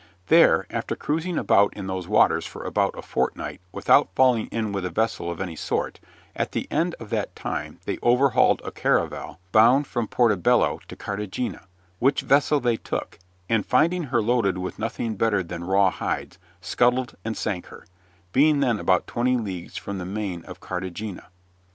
There, after cruising about in those waters for about a fortnight without falling in with a vessel of any sort, at the end of that time they overhauled a caravel bound from Porto Bello to Cartagena, which vessel they took, and finding her loaded with nothing better than raw hides, scuttled and sank her, being then about twenty leagues from the main of Cartagena.